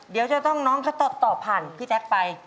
เดี๋ยวจะต้องน้องเขาตอบผ่านพี่แจ๊คไป